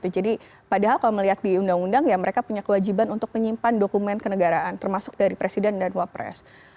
jadi padahal kalau melihat di undang undang ya mereka punya kewajiban untuk menyimpan dokumen kenegaraan termasuk dari presiden dan wapres